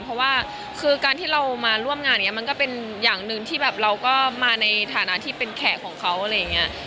เพราะว่าคือการที่เรามาร่วมงานอย่างนี้มันก็เป็นอย่างหนึ่งที่แบบเราก็มาในฐานะที่เป็นแขกของเขาอะไรอย่างนี้